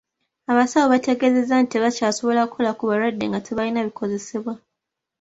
Abasawo bategeezezza nti tebakyasobola kukola ku balwadde nga tebalina bikozesebwa.